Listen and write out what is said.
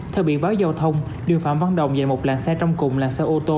theo biện báo giao thông đường phạm văn đồng dành một làn xe trong cùng làn xe ô tô